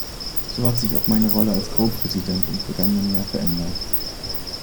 So hat sich auch meine Rolle als Kopräsident im vergangenen Jahr verändert.